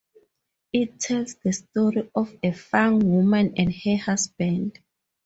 It tells the story of a Fang woman and her husband.